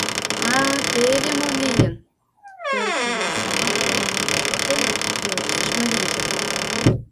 — А теве мо лийын, — ӧрышыж гыч тамак ломыжым почкалтен, пелештыш марийже.